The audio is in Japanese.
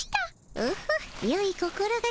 オホッよい心がけじゃ。